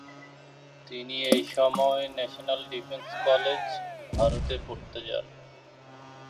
তিনি এই সময়ে ন্যাশনাল ডিফেন্স কলেজ, ভারতে পড়তে যান।